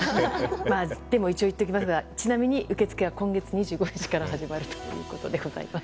でも一応言っておきますがちなみに受付は今月２５日から始まるということです。